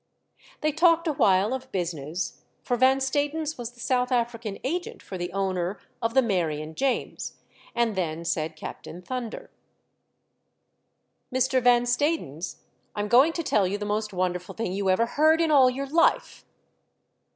They talked awhile of business, for Van Stadens was the South African asfent for the I AM ALONE, 5 I I owner of the Mary and James, and then said Captain Thunder ." Mr. Van Stadens, I'm going to tell you the most wonderful thing you ever heard in all your life."